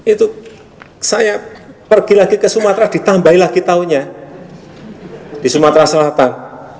itu saya pergi lagi ke sumatera ditambahi lagi tahunya di sumatera selatan